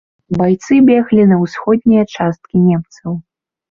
Байцы беглі на ўсходнія часткі немцаў.